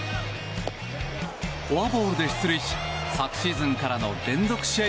フォアボールで出塁し昨シーズンからの連続試合